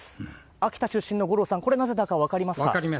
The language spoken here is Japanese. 秋田出身の五郎さん、これ、分かります。